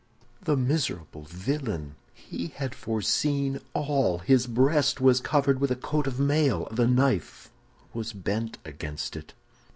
"The miserable villain! He had foreseen all. His breast was covered with a coat of mail; the knife was bent against it.